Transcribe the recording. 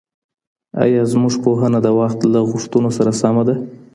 ایا زموږ پوهنه د وخت له غوښتنو سره سمه ده؟